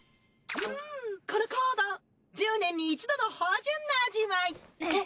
うんこのコード１０年に一度の芳醇な味わい。